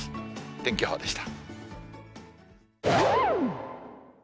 天気予報でした。